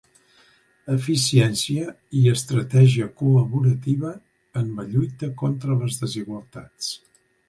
Eficiència i estratègia col·laborativa en la lluita contra les desigualtats.